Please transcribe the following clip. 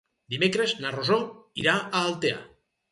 Dimecres na Rosó irà a Altea.